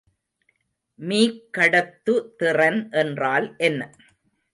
மீக்கடத்துதிறன் என்றால் என்ன?